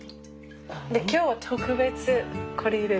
今日は特別これ入れる。